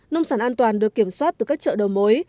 nông sản an toàn được kiểm soát từ các chợ đầu mối